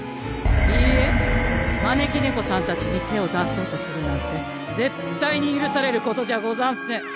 いいえ招き猫さんたちに手を出そうとするなんて絶対に許されることじゃござんせん。